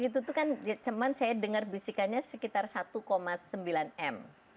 jadi karena itu kan cuman saya dengar bisikannya sekitar satu sembilan m